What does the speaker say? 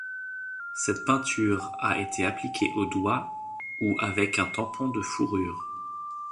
Cette peinture a été appliquée au doigt ou avec un tampon de fourrure.